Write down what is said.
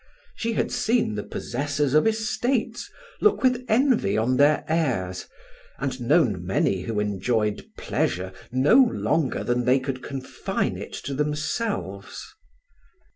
She had seen the possessors of estates look with envy on their heirs, and known many who enjoyed pleasures no longer than they could confine it to themselves.